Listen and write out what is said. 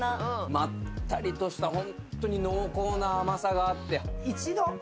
まったりとしたほんとに濃厚な甘さがあって。